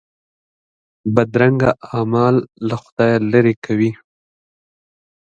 بدرنګه اعمال له خدایه لیرې کوي